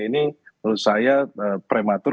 ini menurut saya prematur